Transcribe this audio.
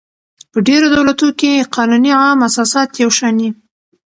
په ډېرو دولتو کښي قانوني عام اساسات یو شان يي.